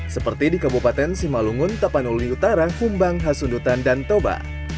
seperti di kabupaten simalungun tapanuli utara fumbang hasundutan dan toba